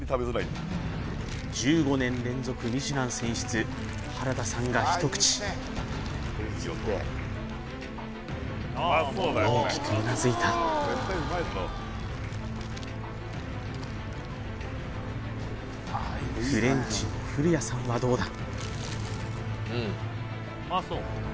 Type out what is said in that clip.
１５年連続ミシュラン選出原田さんが一口大きくうなずいたフレンチの古屋さんはどうだ？